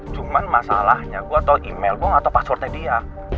cuman masalahnya gue tau email gue gak tau passwordnya dia